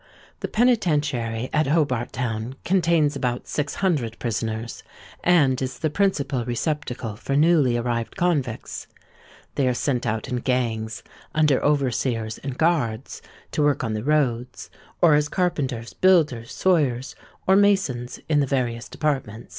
The Penitentiary at Hobart Town contains about six hundred prisoners, and is the principal receptacle for newly arrived convicts. They are sent out in gangs, under overseers and guards, to work on the roads, or as carpenters, builders, sawyers, or masons, in the various departments.